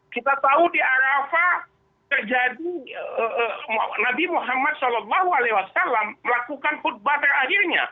kita tahu di arafah terjadi nabi muhammad saw melakukan khutbah terakhirnya